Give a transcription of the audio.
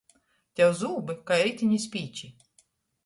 Tev zūbi kai ritiņa spīči.